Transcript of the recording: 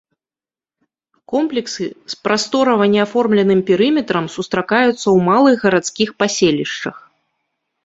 Комплексы з прасторава не аформленым перыметрам сустракаюцца ў малых гарадскіх паселішчах.